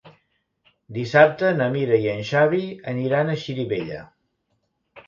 Dissabte na Mira i en Xavi aniran a Xirivella.